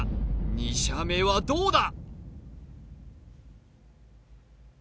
２射目はどうだ！？